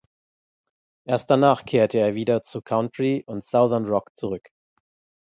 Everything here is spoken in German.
Erst danach kehrte er wieder zu Country und Southern Rock zurück.